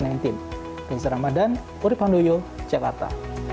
dari seramadan uri panduyo cepata